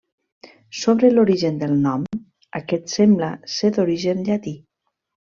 Sobre l'origen del nom, aquest sembla ser d'origen llatí.